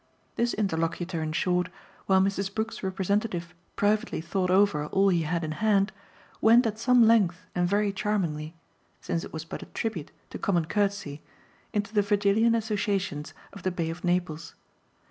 This interlocutor in short, while Mrs. Brook's representative privately thought over all he had in hand, went at some length and very charmingly since it was but a tribute to common courtesy into the Virgilian associations of the Bay of Naples.